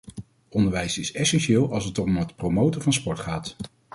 Onderwijs is essentieel als het om het promoten van sport gaat.